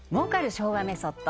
昭和メソッド